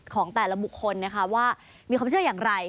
ของแต่ละบุคคลนะคะว่ามีความเชื่ออย่างไร